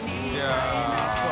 うまそう。